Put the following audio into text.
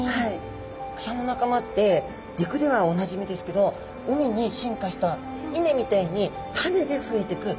草の仲間って陸ではおなじみですけど海に進化したいねみたいに種で増えてく